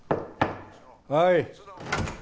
はい。